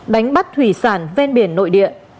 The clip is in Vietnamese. đánh bắt thủy sản ven biển nội địa